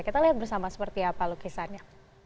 kita lihat bersama seperti apa lukisannya